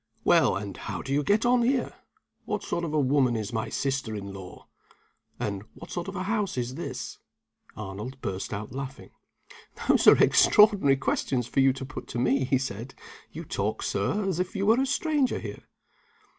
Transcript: Well, and how do you get on here? What sort of a woman is my sister in law? and what sort of a house is this?" Arnold burst out laughing. "Those are extraordinary questions for you to put to me," he said. "You talk, Sir, as if you were a stranger here!"